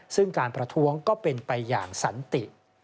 ซึ่งการประท้วงก็เป็นไปอย่างสันติ